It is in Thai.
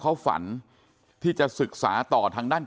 คุณยายบอกว่ารู้สึกเหมือนใครมายืนอยู่ข้างหลัง